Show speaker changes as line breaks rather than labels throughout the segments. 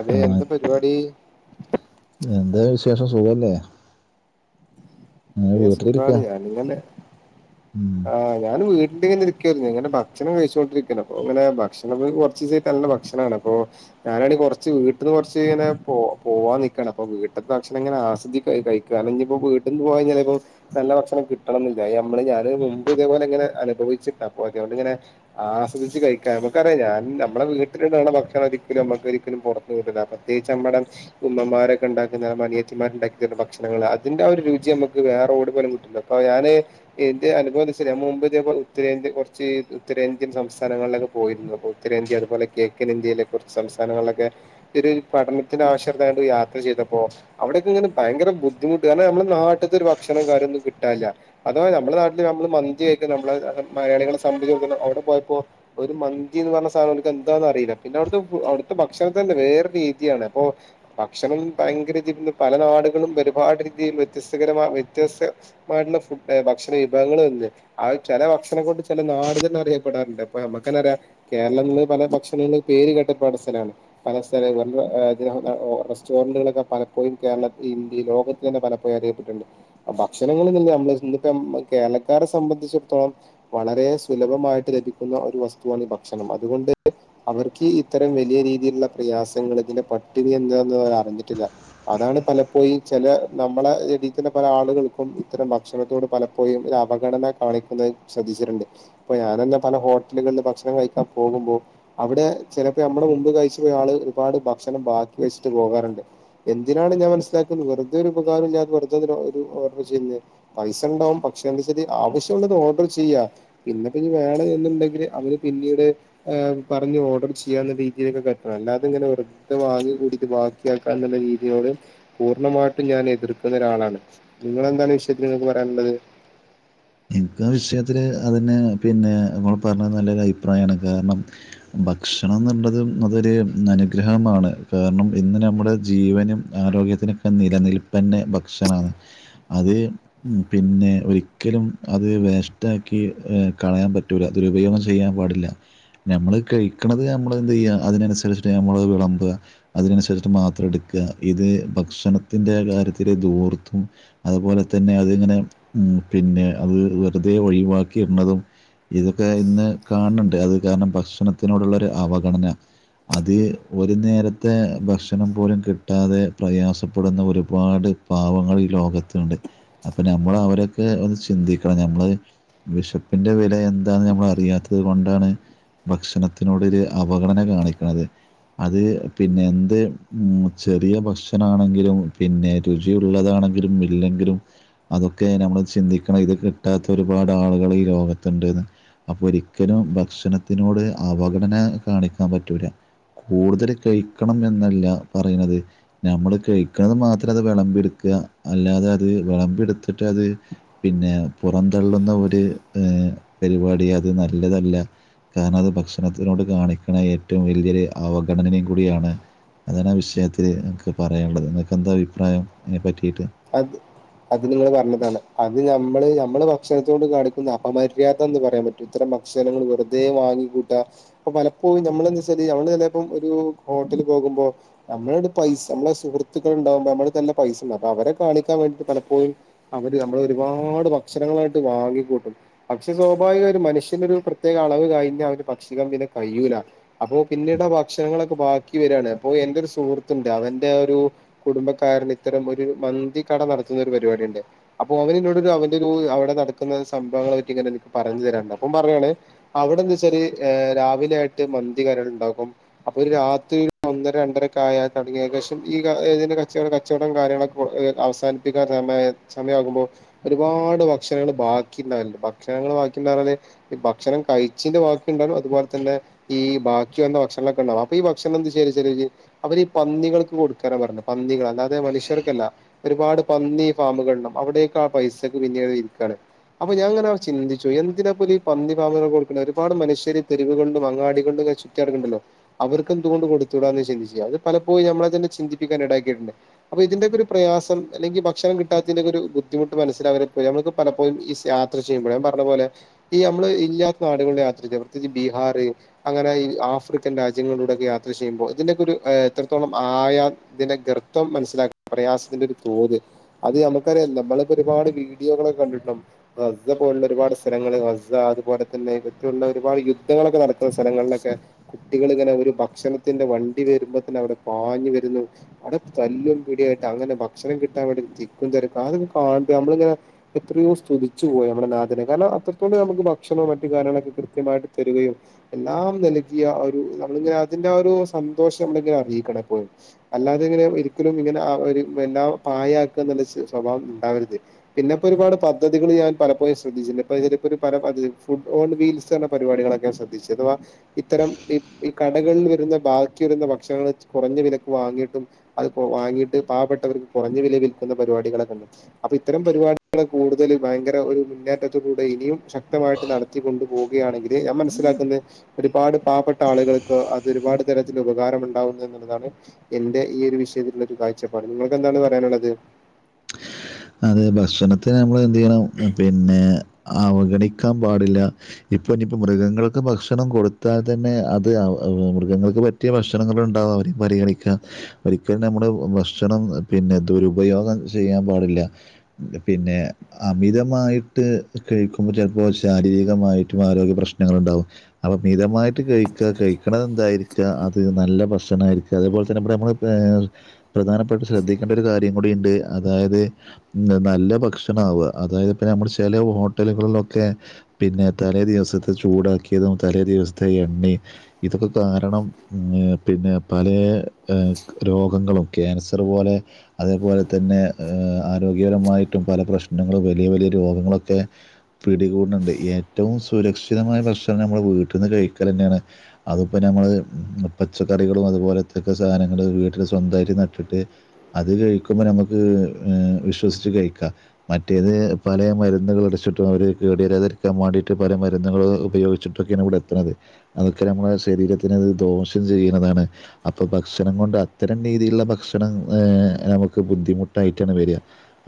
അതെ എന്താ പരിപാടി
എന്താ വിശേഷം സുഖല്ലേ. അങ്ങനെ
ആ
വീട്ടിലിരിക്കാ
സുഖളിയ അനിയന്റെ
ഉം
ആഹ് ഞാൻ വീട്ടിലിങ്ങനെരിക്കാരുന്നു. ഇങ്ങനെ ഭക്ഷണം കഴിച്ചൊണ്ടിരിക്കാണ് അപ്പൊ ഇങ്ങനെ ഭക്ഷണ കൊറച്ച് ദിവസയി നല്ല ഭക്ഷണാണ്. അപ്പൊ ഞാനണ കുറച്ച് വീട്ടന്ന് കുറച്ച് ഞാനങ്ങനെ കുറച്ച്, വീട്ടില് കുറച്ചിങ്ങനെ പോവാൻ നിക്കാണ്. അപ്പൊ വീട്ടിൽത്തെ ഭക്ഷണം ഇങ്ങനെ ആസ്വദിച്ചു കഴിക്കാൻ കാരണം ഇനി ഇപ്പോ വീട്ടീന്ന് പോയയിഞ്ഞാൽ ഇ നല്ല ഭക്ഷണം കിട്ടണംമെന്നില്ല. അത് നമ്മള് ഞാന് മുമ്പ് ഇതേപോലെ ഇങ്ങനെ അനുഭവിച്ചിട്ട. അതൊണ്ടിങ്ങനെ ആസ്വദിച്ച് കഴിക്കാൻ നമ്മക്കറിയാം ഞാൻ നമ്മുടെ വീട്ടിലുണ്ടാക്കുന്ന ഭക്ഷണം ഒരിക്കലും നമ്മുക്ക ഒരിക്കലും പുറത്ത് പ്രത്യേകിച്ച് അമ്മടെ ഉമ്മമാരൊക്കെ ഉണ്ടാക്കുന്ന അനിയത്തിമാർ ഉണ്ടാക്കി തരുന്ന ഭക്ഷണങ്ങൾ അതിന്റെ ആ ഒരു രുചി നമുക്ക് ഇത് വേറെ എവിടെ പോയാലും കിട്ടില്ല. അപ്പോ ഞാന് എന്റെ അനുഭവ എന്ന് വെച്ചാ മുമ്പ് ഇ ഉത്തരേന്ത്യൻ കുറച്ച് ഉത്തരേന്ത്യൻ സംസ്ഥാനങ്ങളിലൊക്കെ പോയിരുന്നു അപ്പോൾ. ഉത്തരേന്ത്യ അതുപോലെ കിഴക്കൻ ഇന്ത്യയിലെ കുറച്ച് സംസ്ഥാനങ്ങളിലൊക്കെ ഒരു പഠനത്തിന് ആവശ്യമായ യാത്ര ചെയ്തപ്പോ അവിടെയൊക്കെങ്ങനെ ഭയങ്കര ബുദ്ധിമുട്ട്. കാരണം നമ്മുടെ നാട്ടിൽത്തെ ഒരു ഭക്ഷണം കാര്യമൊന്നും കിട്ടാനില്ല. അതോ നമ്മള നാട്ടില് നമ്മള് മന്തി കഴിക്ക നമ്മള മലയാളികളെ സംബന്ധിച്ചെടുത്തോളം അവിടെ പോയപ്പോ ഒരു മന്തി എന്ന് പറഞ്ഞ സാധനം അവരിക്ക് എന്താണെന്ന് അറിയില്ല. പിന്നെ അവിടുത്തെ അവിടുത്തെ ഭക്ഷണം തന്നെ വേറെ രീതിയാണ്. അപ്പൊ ഭക്ഷണം ഭയങ്കര രീതിൽ പല നാടുകളും ഒരുപാട് രീതിയിൽ വ്യത്യസ്തകരമായ വ്യത്യസ് മായിട്ടുള്ള ഫുഡ് ഭക്ഷണ വിഭവങ്ങൾ വരുന്നേ ആ ചില ഭക്ഷണം കൊണ്ട് ചില നാട് തന്നെ അറിയപ്പെടാറുണ്ട്. അപ്പൊ നമ്മുക്ക് തന്നെ അറിയാം കേരളങ്ങളില് പല ഭക്ഷണങ്ങളും പേര് കേട്ട പല സ്ഥലാണ്. പല സ്ഥലത്തും റെസ്റ്റോറന്റുകളൊക്കെ പലപ്പോഴും കേരളത്തിൽ ഇന്ത്യ ലോകത്ത് തന്നെ പലപ്പോഴും ഭക്ഷണങ്ങള് നമ്മള് ഇപ്പം കേരളക്കാരെ സംബന്ധിച്ചിടത്തോളം വളരെ സുലഭമായിട്ട് ലഭിക്കുന്ന ഒരു വസ്തുവാണ് ഈ ഭക്ഷണം. അതുകൊണ്ട് അവർക്ക് ഇത്തരം വലിയ രീതിയിലുള്ള പ്രയാസങ്ങൾ ഇതിന്റെ പട്ടിണി എന്താണെന്ന് അവർ അറിഞ്ഞിട്ടില്ല. അതാണ് പലപ്പോഴും ചില നമ്മളെ എടി ഇത്തിന്റെ പല ആളുകൾക്കും ഇത്തരം ഭക്ഷണത്തോട് പലപ്പോഴും ഒരു അവഗണന കാണിക്കുന്ന ശ്രദ്ധിച്ചിട്ടുണ്ട്. ഇപ്പൊ ഞാന് തന്നെ പല ഹോട്ടലുകളില് ഭക്ഷണം കഴിക്കാൻ പോകുമ്പോൾ അവിടെ ചിലപ്പോ നമ്മടെ മുമ്പ് കഴിച്ചു പോയ ആള് ഒരുപാട് ഭക്ഷണം ബാക്കി വെച്ചിട്ട് പോകാറുണ്ട്. എന്തിനാണ് ഞാൻ മനസ്സിലാക്കുന്നത് വെറുതെ ഒരു ഉപകാരം ഞമ്മക്ക് വെറുതെ ഒരു [unintelligible] ചെയ്യുന്നത് പൈസ ഉണ്ടാവും. പക്ഷെ എന്താന്ന് വെച്ചാല് ആവശ്യള്ളത് ഓർഡർ ചെയ്യാ പിന്നൊക്കെ ഇനി വേണ എന്നുണ്ടെങ്കില് അവന് പിന്നീട് പറഞ്ഞു ഓർഡർ ചെയ്യാവുന്ന രീതിയിലൊക്കെ കഴിക്കണം. അല്ലാതങ്ങെനെ വാങ്ങി കൂട്ടി അത് ബാക്കിയാക്കാ എന്നുള്ള രീതിയോട് പൂർണ്ണമായിട്ടും ഞാൻ എതിർക്കുന്ന ഒരാളാണ് നിങ്ങെന്താണ് ഈ വിഷയത്തിൽ നിങ്ങക്ക് പറയാനുള്ളത്.
എനിക്ക് ആഹ് വിഷയത്തില് അതെ പിന്നെ നമ്മൾ പറഞ്ഞത് നല്ലൊരു അഭിപ്രായമാണ് കാരണം ഭക്ഷണം എന്ന ഉള്ളത് അതൊരു അനുഗ്രഹമാണ് കാരണം ഇന്ന് നമ്മുടെ ജീവനും ആരോഗ്യത്തിനൊക്കെ നിലനിൽപ്പന്ന ഭക്ഷണമാണ് അത് പിന്നെ ഒരിക്കലും അത് വേസ്റ്റാക്കി കളയാൻ പറ്റൂല അത് ദുരുപയോഗം ചെയ്യാൻ പാടില്ല നമ്മള് കഴിക്കുന്നത് നമ്മൾ എന്ത് ചെയ്യുക അതിനനുസരിച്ചിട്ട് നമ്മള് വിളമ്പുക അതിനനുസരിച്ചട്ട് മാത്രം എടുക്കുക ഇത് ഭക്ഷണത്തിന്റെ കാര്യത്തില് ദൂർത്തും അതുപോലെ തന്നെ അതിങ്ങനെ ഉം പിന്നെ അത് വെറുതെ ഒഴിവാക്കിയിരുന്നതും ഇതൊക്കെ ഇന്ന് കാണുന്നുണ്ട് അത് കാരണം ഭക്ഷണത്തിനോടുള്ള ഒരു അവഗണന അത് ഒരു നേരത്തെ ഭക്ഷണം പോലും കിട്ടാതെ പ്രയാസപ്പെടുന്ന ഒരുപാട് പാവങ്ങൾ ഈ ലോകത്തുണ്ട് അപ്പൊ നമ്മൾ അവരൊക്കെ ഒന്ന് ചിന്തിക്കണം നമ്മള് വിഷപ്പിന്റെ വില എന്താണ് നമ്മൾ അറിയാത്തത് കൊണ്ടാണ് ഭക്ഷണത്തിനോടൊ ഒരു അവഗണന കാണിക്കണുന്നത് അത് പിന്നെ എന്ത് ഉം ചെറിയ ഭക്ഷണം അണെങ്കിലും പിന്നെ രുചിയുള്ളതാണെങ്കിലും ഇല്ലെങ്കിലും അതൊക്കെ നമ്മൾ ചിന്തിക്ക ണം ഇത് കിട്ടാത്ത ഒരുപാട് ആളുകൾ ഈ ലോഗത്തുണ്ട്ന്ന് അപ്പൊ ഒരിക്കലും ഭക്ഷണത്തിനോട് അവഗടന കാണിക്കാൻ പറ്റൂല കൂടുതൽ കഴിക്കണം എന്നല്ല പറയുന്നത് നമ്മള് കഴിക്കുന്നത് മാത്രം അത് വിളമ്പി എടുക്കുക അല്ലാതെ അത് വിളമ്പി എടുത്തിട്ട് അത് പിന്നെ പുറംന്തള്ളുന്ന ഒരു ഏന് പരിപാടി അത് നല്ലതല്ല കാരണം അത് ഭക്ഷണത്തിനോട് കാണിക്കണ ഏറ്റവും വലിയൊരു അവഗണനയും കൂടിയാണ് അതാണ് ആഹ് വിഷയത്തില്ൽ നിങ്ങൾക്ക് പറയാനുള്ളത് നിൾക്ക്ന്താ അഭിപ്രായം അതിനെ പറ്റിയിട്ട്
അത് അത് നിങ്ങൾ പറഞ്ഞതാണ് അത് നമ്മള് നമ്മള് ഭക്ഷണത്തോണ്ട് കാണിക്കുന്ന അപമര്യാദ എന്ന് പറയാൻ പറ്റും ഇത്തം ഭക്ഷണങ്ങൾ വെറുതെ വാങ്ങിക്കൂട്ട അപ്പൊ പലപ്പോഴും നമ്മള എന്താച്ച നമ്മള് ചലപ്പോ ഒരു ഹോട്ടല് പോകുമ്പോ നമ്മള ഒരു പൈസ നമ്മെ സുഹൃത്തുക്കൾ ഉണ്ടാകുമ്പോ നമ്മ നല്ല പൈസ അപ്പൊ അവരെ കാണിക്കാൻ വേണ്ടിട്ട് പലപ്പോഴും അവര് നമ്മൾ ഒരുപാട് ഭക്ഷണങ്ങളായിട്ട് വാങ്ങിക്കൂട്ടും പക്ഷെ സ്വാഭാവിക ഒരു മനുഷ്യൻ ഒരു പ്രത്യേക അളവ് കഴിഞ്ഞ അവര് ഭക്ഷിക്കാൻ പിന്നെ കഴിയുല അപ്പൊ പിന്നീട് ആഹ് ഭക്ഷണങ്ങളൊക്കെ ബാക്കി വരയാണ് അപ്പൊ എന്റെ ഒരു സുഹൃത്തുണ്ട് അവൻന്റെ ഒരു കുടുംബക്കാരന് ഇത്തരം ഒരു മന്തി കട നടത്തുന്ന ഒരു പരിപാടി ഉണ്ട് അപ്പൊ അവനോട് ഒരു അവന്റെ ഒരു അവിടെ നടക്കുന്ന സംഭവങ്ങളെ പറ്റി ഇങ്ങനെ എനിക്ക് പറഞ്ഞു തരാനുണ്ട് അപ്പം പറയുവാണ് അവിടെന്ത്ച്ചാരി രാവിലെ ആയിട്ട് മന്തി കാര്യങ്ങൾ ഉണ്ടകും അപ്പൊ ഒരു രാത്രി ഒന്നര രണ്ടരൊക്കെ ആൽ തുടങ്ങിയതിന ശേഷം ഈ ഏതി കച്ച കച്ചവടം കാര്യങ്ങളൊക്കെ അവസാനിപ്പിക്കാൻ സമയ സമയമാകുമ്പോൾ ഒരുപാട് ഭക്ഷണങ്ങൾ ബാക്കി ഉണ്ടാവലുണ്ട് ഭക്ഷണങ്ങള്ൾ ബാക്കിന്ന് പറഞ്ഞാല് ഈ ഭക്ഷണം കഴിച്ചിന്റെ വാക്കി ഉണ്ടാക്കും അതുപോലെ തന്നെ ഈ ബാക്കി വന്ന ഭക്ഷണക്കെ ഉണ്ടാവും അപ്പൊ ഈ ഭക്ഷണം എന്ത് ചെയ്യല് അവര് ഈ പന്നികൾക്ക് കൊടുക്കാന പറഞ്ഞു പന്നികൾ അല്ലാതെ മനുഷ്യർക്കല്ല ഒരുപാട് പന്നി ഫാമുകൾ ഉണ്ട് അവിടെയക്കെ ആഹ് പൈസക്ക് പിന്നിട് വിക്കുക്കയാണ് അപ്പൊ ഞാ അങ്ങനെ ചിന്തിച്ച എന്തിനാ പോല ഈ പാന്നി ഭാമുക്കളിൽ കൊടുക്കുന്ന ഒരുപാട് മനുഷ്യര് തെരുവുകളിലും അങ്ങാടികളിലും ക ക്കണ്ടല്ലോ അവർക്ക് എന്തുക കൊണ്ട് കൊടുത്തൂടാന്ന് ചിന്തിച്ച അത് പലപ്പോഴും നമ്മളെ തന്നെ ചിന്തിപ്പിക്കാൻ ഇടയാക്കിയിട്ടുണ്ട് അപ്പൊ ഇതിന്റെ ഒക്ക ഒരു പ്രയാസം അല്ലെങ്കി ഭക്ഷണം കിട്ടാത്തിതിന്റെ ഒരു ബുദ്ധിമുട്ട് മനസ്സിലകെ പോയി നമ്മളൊകെ പലപ്പോഴും ഈ യാത്ര ചെയ്യുമ്പഴ ഞാൻ പറഞ്ഞ പോലെ ഈ നമ്മള് ഇല്ലാത്ത നാടുകളുടെ യാത്ര ചെയ പ്രത്യേകിച്ച് ബീഹാറ് അങ്ങനെ ഈ ആഫ്രിക്കൻ രാജ്യങ്ങളിലൂടെയൊക്കെ യാത്ര ചെയ്യുമ്പോൾ ഇതിന്റെക്കെ ഒരു എത്രത്തോളം ആയാ ഇതിന്റെ ഗർത്വം മനസിലാക്ക പ്രയാസത്തിന്റെ തോത് അത് നമുക്കറിയല്ല നമ്മളപ്പോ ഒരുപാട് വീഡിയോകളൊക്കെ കണ്ടിട്ടുണ്ടാവും സ്സ പോലുള്ള ഒരുപാട് സ്ഥലങ്ങള് സ്സ അതുപോലെ തന്നെറ്റുള്ള ഒരുപാട് യുദ്ധങ്ങളൊക്കെ നടക്കുന്ന സ്ഥലങ്ങളിലൊക്കെ കുട്ടികളിങ്ങനെ ഒരു ഭക്ഷണത്തിന്റെ വണ്ടി വരുമ്പോ തന്നെ അവിടെ പാഞ്ഞ് വരുന്നു അവിടെ തല്ലും പിടിയായിട്ട് അങ്ങനെ ഭക്ഷണം കിട്ടാൻ വേണ്ടി തിക്കും തിരക്കും അതൊക്കെ കാണുമ്പോ നമ്മളിങ്ങനെ എത്രയോ സ്തുതിച്ചു പോയി നമ്മുടെ നാഥനെ കാരണം അത്രത്തോടെ നമുക്ക് ഭക്ഷണോ മറ്റു കാര്യങ്ങളൊക്കെ കൃത്യമായിട്ട് തരുകയും എല്ലാം നൽകിയ ഒരു നമ്മളിങ്ങനെ അതിന്റെ ഒരു സന്തോഷം ഇണ്ടങ്കി ഇങ്ങനെ അറിയിക്കണം എപ്പോഴും അല്ലാതെ ഇങ്ങനെ ഒരിക്കലും ഇങ്ങനെ ഒരു എല്ലാം പായ ആക്കുക എന്നുള്ള സ്വഭാവം ഉണ്ടാവരുത് പിന്നെപ്പോ ഒരുപാട് പദ്ധതികൾ ഞാൻ പലപ്പോഴും ശ്രദ്ധിച്ചിട്ടണ്ട്പ്പ ഇതില ഫുഡ് ഓൺ വി ച്ചാണ് പരിപാടികളൊക്കെ ശ്രദ്ധിച്ചു അഥവാ ഇത്തരം ഈ ഈ കടകളിൽ വരുന്ന ബാക്കി വരുന്ന ഭക്ഷണങ്ങള് കുറഞ്ഞ വിലക്ക് വാങ്ങിട്ട് അത് വാങ്ങിയിട്ട് പാവപ്പെട്ടവർക്ക് കുറഞ്ഞ വില വിൽക്കുന്ന പരിപാടികളെക്കെ ഇണ്ട് അപ്പൊ ഇത്തരം പരിപാടികള് കൂടുതൽ ഭയങ്കര ഒരു മുന്നേറ്റത്തിലൂടെ ഇനിയും ശക്തമായിട്ട് നട നിർത്തി കൊണ്ടു പോകുകയാണെങ്കില് ഞാൻ മനസ്സിലാക്കുന്നത് ഒരുപാട് പാവപ്പെട്ട ആളുകൾക്ക് അത് ഒരുപാട് തരത്തിൽ ഉപകാരം ഉണ്ടാവുന്നു എന്നുള്ളതാണ് എന്റെ ഈ ഒരു വിഷയത്തില ഒരു കാഴ്ചപ്പാട് നിങ്ങൾക്ക് എന്താണ് പറയാനുള്ളത്
അത് ഭക്ഷണത്തിന് നമ്മള് എന്ത് ചെയ്യണം പിന്നെ അവഗണിക്കാൻ പാടില്ല ഇപ്പൊ ഇനിയിപ്പോ മൃഗങ്ങൾക്ക് ഭക്ഷണം കൊടുത്താൽ തന്നെ അത് മൃഗങ്ങൾക്ക് പ പറ്റിയ ഭക്ഷണങ്ങൾ ഉണ്ടാവും അവരേം പരിഗണിക്കുക ഒരിക്കലും നമ്മുടെ ഭക്ഷണം പിന്നെ ദുരുപയോഗം ചെയ്യാൻ പാടില്ല പിന്നെ അമിതമായിട്ട് കഴിക്കുമ്പോൾ ചിലപ്പോൾ ശാരീരികമായിട്ടും ആരോഗ്യ പ്രശ്നങ്ങളുണ്ടാവും അപ്പൊ മിതമായിട്ട് കഴിക്ക കഴിക്കണത് എന്തായിരിക്കാ അത് നല്ല ഭക്ഷണായിരിക്കുക അതേപോലെ തന്നെ ഇ നമ്മൾ പ്രധാനപ്പെട്ട് ശ്രദ്ധിക്കേണ്ട ഒരു കാര്യം കൂടി ഉണ്ട് അതായത് ഉം നല്ല ഭക്ഷണ ആവുക അതായത് പിന്നെ നമ്മൾ ചില ഹോട്ടലുകളിലൊക്കെ പിന്നെ തലേ ദിവസത്തെ ചൂടാക്കിയതും തലേ ദിവസത്തെ എണ്ണേം ഇതൊക്കെ കാരണം പിന്നെ പലേ രോഗങ്ങളും ക്യാൻസർ പോലെ അതേപോലെ തന്നെ ആരോഗ്യപരമായിട്ടും പല പ്രശ്നങ്ങളും വലിയ വലിയ രോഗങ്ങളൊക്കെ പിടികൂടുന്നുണ്ട് ഏറ്റവും സുരക്ഷിതമായ ഭക്ഷണം നമ്മുടെ വീട്ടിൽ നിന്ന് കഴിക്കൽ തന്നെയാണ് അതിപ്പം നമ്മള് പച്ചക്കറികളും അതുപോലത്തക്കെ സാധനങ്ങള് വീട്ടില് സ്വന്തമായിട്ട് നട്ടിട്ട് അത് കഴിക്കുമ്പോ നമുക്ക് ഏഹ് വിശ്വസിച്ചു കഴിക്കാം മറ്റേത് പല മരുന്നുകൾ അടിച്ചിട്ടും അവര് കേടരാതിരിക്കാൻ വേണ്ടിയിട്ട് പല മരുന്നുകളും ഉപയോഗി ചിട്ടൊക്കെയാണ് ഇവിടെ എത്തണത് അതൊക്കെ നമ്മളുടെ ശരീരത്തിന് ദോഷം ചെയ്യുന്നതാണ് അപ്പൊ ഭക്ഷണം കൊണ്ട് അത്തരം രീതിയിലുള്ള ഭക്ഷണം ഏഹ് നമുക്ക് ബുദ്ധിമുട്ടായിട്ടാണ് വരിക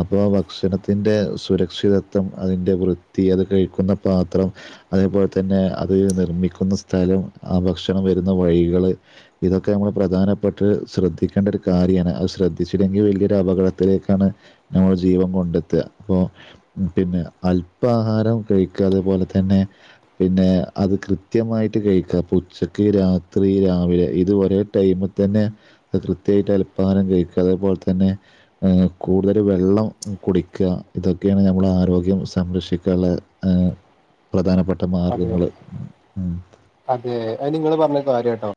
അപ്പോ ഭക്ഷണത്തിന്റെ സുരക്ഷിതത്വം അതിന്റെ വൃത്തി അത് കഴിക്കുന്ന പാത്രം അതേപോലെ തന്നെ അത് നിർമ്മിക്കുന്ന സ്ഥലം ആ ഭക്ഷണം വരുന്ന വഴികള് ഇതൊക്കെ നമ്മള് പ്രധാനപ്പെട്ട് ശ്രദ്ധിക്കേണ്ട ഒരു കാര്യമാണ് അത് ശ്രദ്ധിച്ചില്ലെങ്കിൽ വലിയൊരു അപകട ത്തിലേക്കാണ് ഞമ്മുടെ ജീവം കൊണ്ടെത്തുക അപ്പൊ പിന്നെ അൽപാഹാരം കഴിക്ക അതുപോലെ തന്നെ പിന്നെ അത് കൃത്യമായിട്ട് കഴിക്കുക ഉച്ചക്ക് രാത്രി രാവിലെ ഇത് ഒരേ ടൈമു തന്നെ കൃത്യമായിട്ട് അൽപഹാരം കഴിക്കുക അതേപോലെ തന്നെ കൂടുതൽ വെള്ളം കുടിക്കുക ഇതൊക്കെയാണ് നമ്മൾ ആരോഗ്യം സംരക്ഷിക്കാനുള്ള ഏഹ് പ്രധാനപ്പെട്ട
അതെ
മാർഗങ്ങള്
അതെ അത് നിങ്ങള് പറഞ്ഞ കാര്യട്ടോ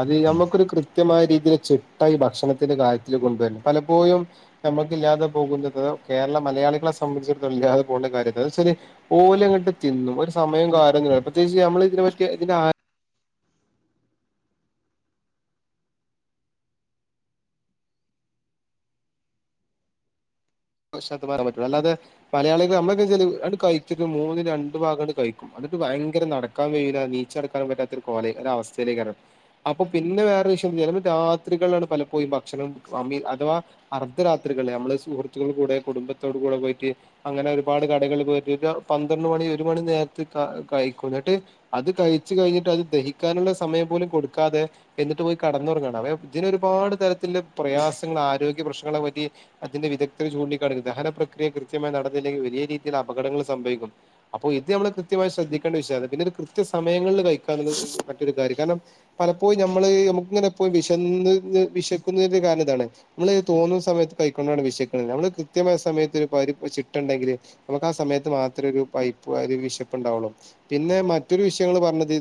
അത് ഞമ്മുക്കൊരു കൃത്യമായ രീതിയിൽ ചി ചിട്ടായി ഈ ഭക്ഷണത്തിന്റെ കാര്യത്തിൽ കൊണ്ടുവരണം പലപ്പോഴും നമ്മുക്ക് ഇല്ലാതെ പോകുന്നത് കേരള മലയാളികളെ സംബന്ധിച്ചിടത്തോം ഇല്ലാതെ പോകേണ്ട കാര്യത്തി അത് എന്ന്ച്ചാല് ഓല്ങ്ങട്ട് തിന്നും ഒരു സമയോം കാര്യം ഒന്നും ഇല്ല പ്രത്യേകിച്ച് നമ്മ [unintelligible] [unintelligible] അല്ലാതെ മലയാളികൾ നമ്മളക്കെച്ചാല് കഴിച്ചിട്ട് മൂന്ന് രണ്ട് ഭാഗാണ്ട് കഴിക്കും എന്നിട്ട് ഭയങ്കര നടക്കാൻ കഴിയില്ല നീച്ചടക്കാനും പറ്റാത്തൊരു കൊലായി ഒരു അവസ്ഥയിലേക്കാരും അപ്പൊ പിന്നെ വേറെ വിഷം ചെലപ്പം രാത്രികളിലാണ് പലപ്പോഴും ഭക്ഷണം അമി അഥവാ അർദ്ധരാത്രികളില് നമ്മള് സുഹൃത്തുക്കൾടെ കൂടെ കുടുംബത്തോട് കൂടെ പോയിട്ട് അങ്ങനെ ഒരുപാട് കടകള്‌ പോയിട്ട് പന്ത്രണ്ട് മണി ഒരു മണി നേരത്തേക്ക് കഴിക്കും എന്നിട്ട് അത് കഴിച്ച് കഴിഞ്ഞിട്ട് അത് ദഹിക്കാനുള്ള സമയം പോലും കൊടുക്കാതെ എന്നിട്ട് പോയി കേടന്നുറങ്ങാണ് ഇതിന് ഒരുപാട് തരത്തിലെ പ്രയാസങ്ങള് ആരോഗ്യ പ്രശ്നങ്ങളെ പറ്റി അതിന് വിദഗ്ധർ ചൂണ്ടിക്കാണിക്കു ദഹനപക്രിയ കൃത്യമായി നടന്നില്ലെങ്കിൽ വലിയ രീതിയിൽ അപകടങ്ങൾ സംഭവിക്കും അപ്പൊ ഇത് നമ്മള് കൃത്യമായി ശ്രദ്ധിക്കേണ്ട വിഷയ പിന്നെരു കൃത്യ സമയങ്ങളിൽ കഴിക്കാനു മറ്റൊരു കാര്യം കാരണം പലപ്പോഴും നമ്മള് നമുക്ക് ഇങ്ങനെ പോഴും വിശന്ന് വിശക്കുന്നന്റെ കാരണം ഇതാണ് ഇമ്മള് തോന്നുന്ന സമയത്ത് കഴിക്കുമ്പോഴാണ് വിശക്കുന്നത് നമ്മള് കൃത്യമായ സമയത്ത് ഒരു പരിപ്പ ചിട്ടണ്ടെങ്കില് നമുക്ക് ആ സമയത്ത് മാത്രമേ ഒരു പൈപ്പ് ഒരു വിശപ്പ് ഉണ്ടാവുള്ളൂ പിന്നെ മറ്റൊരു വിഷയങ്ങൾ പറഞ്ഞത്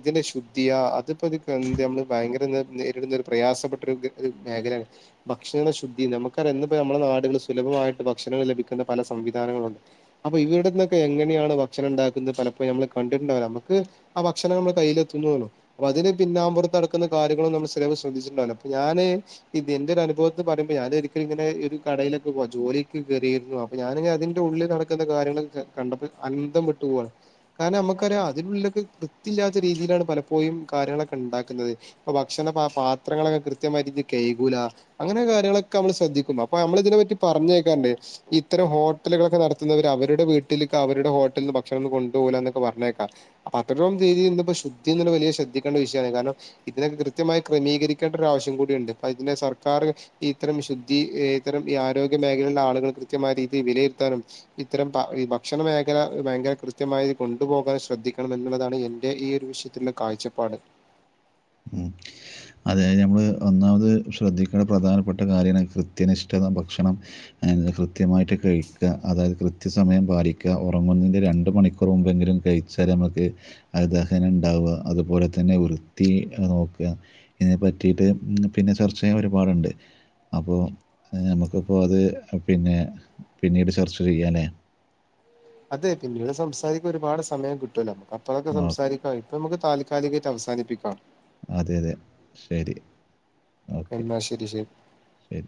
ഇതിന്റെ ശുദ്ധിയാ അതിപ്പോ നമ്മള് ഭയങ്കര [unintelligible] പ്രയാസപ്പെട്ട ഒരു മേഖലയാണ് ഭക്ഷണ ശുദ്ധി നമുക്കറിയ ഇപ്പോ നമ്മള്ള നാടുകള് സുലഭമായിട്ട് ഭക്ഷണങ്ങൾ ലഭിക്കുന്ന പല സംവിധാനങ്ങളുണ്ട് അപ്പൊ ഇവിടുന്നൊക്കെ എങ്ങനെയാണ് ഭക്ഷണം ഉണ്ടാക്കുന്നത് പലപ്പോഴും നമ്മള്‌ കണ്ടിട്ടുണ്ടാവില്ല നമുക്ക് ആ ഭക്ഷണം നമ്മള്‌ കൈയിൽ എത്തുന്നുലോ അപ്പ അതിന് പിന്നാമ്പുറത്ത് നടക്കുന്ന കാര്യങ്ങളൊന്നും നമ്മള് ശ്ര ശ്രദ്ധിച്ചിട്ടുണ്ടാവില്ല അപ്പ ഞാന് ഇത് എന്റെ ഒരുനുഭവത്തി പറയുമ്പോ ഞാന് എനിക്ക് ഇങ്ങനെ ഒരു കടയിലൊക്കെ പോകുവാ ജോലിക്ക് കയറിയിരുന്നു അപ്പൊ ഞാന് അതിന്റെ ഉള്ളിൽ നടക്കുന്ന കാര്യങ്ങളൊ കണ്ടപ്പോ അന്തം വിട്ടു പോവുണ് കാരണം നമുക്കറിയാം അതിനുള്ളിലൊക്കെ വ്യത്തിയില്ലാത്ത രീതിയിലാണ് പലപ്പോഴും കാര്യങ്ങളൊക്കെ ഉണ്ടാക്കുന്നത് അപ്പൊ ഭക്ഷണ പാത്രങ്ങളൊക്കെ കൃത്യമായി രീതി കയിക്കൂല്ല അങ്ങനെ കാര്യങ്ങളൊക്കെ നമ്മള് ശ്രദ്ധി അപ്പൊ നമ്മള്‌ ഇതിനെ പറ്റി പറഞ്ഞ് കേക്കാറ്ണ്ട് ഇത്തരം ഹോട്ടലുകളൊക്കെ നടത്തുന്നവര് അവരുടെ വീട്ടിലിക്ക് അവരുടെ ഹോട്ടലിൽ നിന്ന് ഭക്ഷണം കൊണ്ടുപോകുല്ല എന്നൊക്കെ പറഞ്ഞേക്കാറുണ്ട് അതുപ്പം രീതിൽന്ന ശുദ്ധിന്ന വലിയ ശ്രദ്ധിക്കേണ്ട വിഷയമാണ് കാരണം ഇതിനെ കൃത്യമായി ക്രമീകരിക്കേണ്ട ഒരു ആവശ്യം കൂടിയുണ്ട് അ ഇതിന്റെ സർക്കാർ ഇത്തരം ശുദ്ധ ഇത്തരം ഈ ആരോഗ്യ മേഖലയിലെ ആളുകൾ കൃത്യമായ രീതിയിൽ വിലയിരുത്താനും ഇത്തരം ഈ ഭക്ഷണ മേഖല ഭയങ്കര കൃത്യമായി കൊണ്ടുപോകാൻ ശ്രദ്ധിക്കണം എന്നുള്ളതാണ് എന്റെ ഈ ഒരു വിഷ കാഴ്ചപ്പാട്
ഉം അതായത് നമ്മൾ ഒന്നാമത് ശ്രദ്ധിക്കേണ്ട പ്രധാനപ്പെട്ട കാര്യമാണ് കൃത്യനിഷ്ഠത ഭക്ഷണം അ കൃത്യമായിട്ട് കഴിക്ക അതായത് കൃത്യസമയം പാലിക്കുക ഉറങ്ങുന്നതിൻ്റെ രണ്ട് മണിക്കൂർ മുമ്പെങ്കിലും കഴി സരമുക്ക് അ ദഹനം ഉണ്ടാവുക അതുപോലെ തന്നെ വ്യ ത്തി നോക്കുക ഇതിനെ പറ്റിയിട്ട് പിന്നെ ചർച്ച ചെയ്യാൻ ഒരുപാടുണ്ട് അപ്പോ നമുക്കിപ്പോൾ അത് പിന്നെ പിന്നീട് സെർച്ച് ചെയ്യാം ഞാൻ
അതെ പിന്നീട് സംസാരിക്ക ഒരുപാട് സമയം കിട്ടുലോ നമുക്ക് അപ്പോഴൊക്കെ
ഓ
സംസാരി ഇപ്പൊ നമുക്ക് താൽക്കാലികമായിട്ട് അവസാനിപ്പിക്കാം
അതെ അതെ ശരി ഓക്കെ
എന്ന ശരി ശരി
ശരി